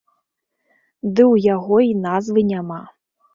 Ды ў яго й назвы няма.